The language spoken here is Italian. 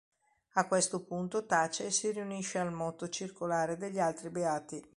A questo punto tace e si riunisce al moto circolare degli altri beati.